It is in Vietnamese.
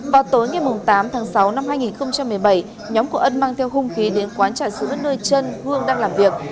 vào tối ngày tám tháng sáu năm hai nghìn một mươi bảy nhóm của ân mang theo hung khí đến quán trả sứ ở nơi trân hương đang làm việc